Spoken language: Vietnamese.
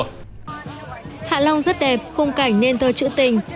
hạ long rất đẹp khung cảnh nên tơ chữ tình